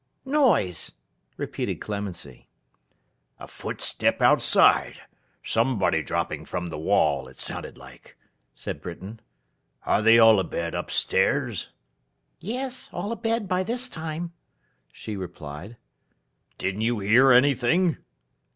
'Noise!' repeated Clemency. 'A footstep outside. Somebody dropping from the wall, it sounded like,' said Britain. 'Are they all abed up stairs?' 'Yes, all abed by this time,' she replied. 'Didn't you hear anything?